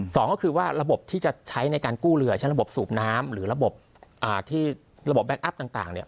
สองก็คือว่าระบบที่จะใช้ในการกู้เรือใช้ระบบสูบน้ำหรือระบบที่ระบบแก๊กอัพต่างเนี่ย